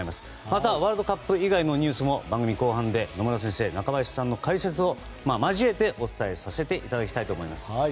また、ワールドカップ以外のニュースも番組後半で野村先生、中林さんの解説を交えてお伝えさせていただきます。